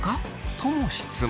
とも質問。